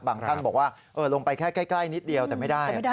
ท่านบอกว่าลงไปแค่ใกล้นิดเดียวแต่ไม่ได้